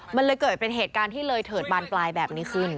มันเลยเกิดเป็นเหตุการณ์ที่เลยเถิดบานปลายแบบนี้ขึ้น